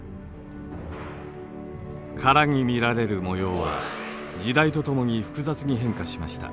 殻に見られる模様は時代とともに複雑に変化しました。